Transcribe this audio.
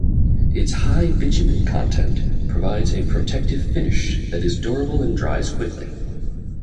Its high bitumen content provides a protective finish that is durable and dries quickly.